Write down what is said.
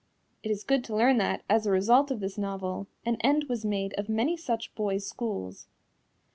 It is good to learn that, as a result of this novel, an end was made of many such boys' schools.